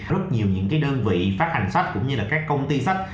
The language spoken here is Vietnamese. rất nhiều đơn vị phát hành sách cũng như các công ty sách